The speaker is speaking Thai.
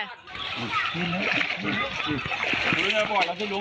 เนี้ยมันล้อยอยู่ตรงนี้บอกว่าไหน